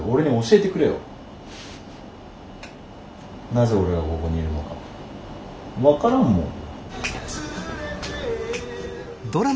「なぜ俺がここにいるのか教えてくれ」。